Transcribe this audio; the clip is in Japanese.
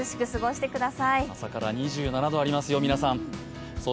朝から２７度ありますよ、皆さん。